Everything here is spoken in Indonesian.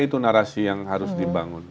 itu narasi yang harus dibangun